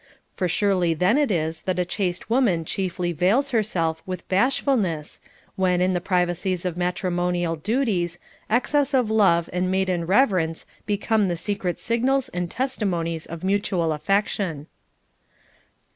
For surely then it is that a chaste woman chiefly vails herself with bashfulness, when, in the privacies of matrimonial duties, excess of love and maiden reverence become the secret signals and testimonies of mutual affection.